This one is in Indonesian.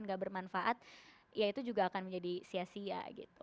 gak bermanfaat ya itu juga akan menjadi sia sia gitu